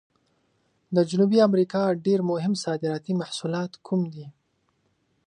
د جنوبي امریکا ډېر مهم صادراتي محصولات کوم دي؟